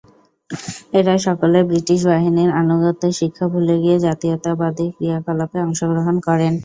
এঁরা সকলে ব্রিটিশ বাহিনীর আনুগত্যের শিক্ষা ভুলে গিয়ে জাতীয়তাবাদী ক্রিয়াকলাপে অংশগ্রহণ করেন।